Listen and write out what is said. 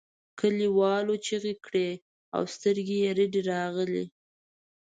کليوالو چیغې کړې او سترګې یې رډې راغلې.